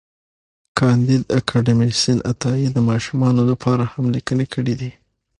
کانديد اکاډميسن عطایي د ماشومانو لپاره هم لیکني کړي دي.